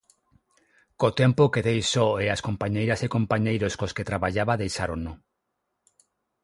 Co tempo quedei só e as compañeiras e compañeiros cos que traballaba deixárono.